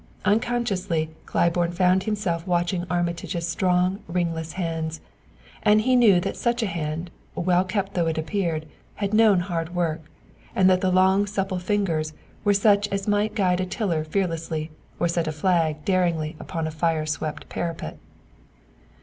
Unconsciously Claiborne found himself watching Armitage's strong ringless hands, and he knew that such a hand, well kept though it appeared, had known hard work, and that the long supple fingers were such as might guide a tiller fearlessly or set a flag daringly upon a fire swept parapet.